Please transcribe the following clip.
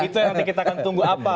itu yang nanti kita akan tunggu apa